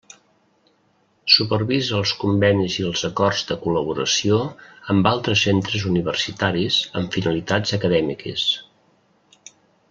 Supervisa els convenis i els acords de col·laboració amb altres centres universitaris amb finalitats acadèmiques.